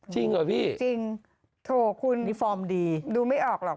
จริงเหรอพี่นี่ฟอร์มดีจริงโถคุณดูไม่ออกหรอก